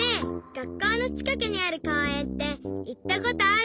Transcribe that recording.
がっこうのちかくにあるこうえんっていったことある？